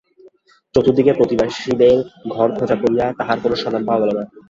চতুর্দিকে প্রতিবেশীদের ঘরে খোঁজ করিয়া তাহার কোনো সন্ধান পাওয়া গেল না।